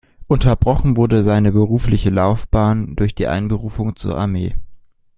Unterbrochen wurde seine berufliche Laufbahn durch die Einberufung zur Armee.